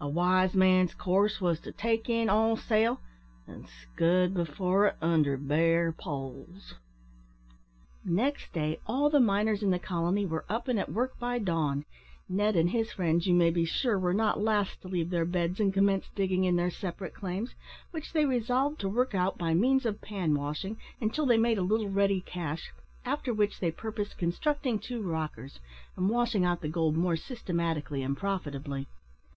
a wise man's course wos to take in all sail, an' scud before it under bare poles." Next day all the miners in the colony were up and at work by dawn. Ned and his friends, you may be sure, were not last to leave their beds and commence digging in their separate claims, which they resolved to work out by means of pan washing, until they made a little ready cash, after which they purposed constructing two rockers, and washing out the gold more systematically and profitably.